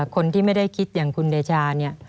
คนที่ไม่ได้คิดอย่างคุณเดชาเนี่ย